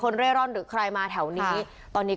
เขาพูดมาคำเดียวว่า